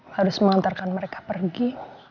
harus mengantarkan mereka pergi